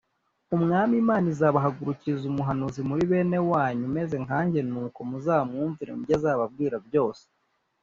“Umwami Imana izabahagurukiriza umuhanuzi muri bene wanyu umeze nkanjye, nuko muzamwumvire mu byo azababwira byose